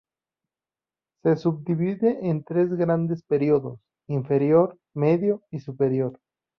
Se subdivide en tres grandes periodos: Inferior, Medio y Superior.